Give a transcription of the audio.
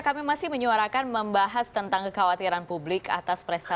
kami masih menyuarakan membahas tentang kekhawatiran publik atas prestasi